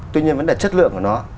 tuy nhiên vấn đề chất lượng của nó